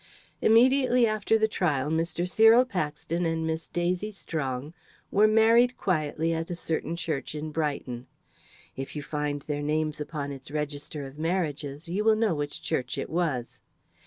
Immediately after the trial Mr. Cyril Paxton and Miss Daisy Strong were married quietly at a certain church in Brighton; if you find their names upon its register of marriages you will know which church it was.